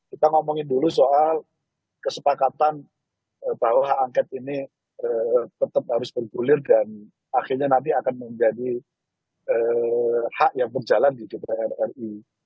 kita ngomongin dulu soal kesepakatan bahwa hak angket ini tetap harus bergulir dan akhirnya nanti akan menjadi hak yang berjalan di dpr ri